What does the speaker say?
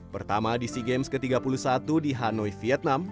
pertama di sea games ke tiga puluh satu di hanoi vietnam